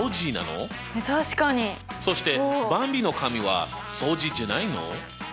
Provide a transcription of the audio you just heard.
そしてばんびの紙は相似じゃないの？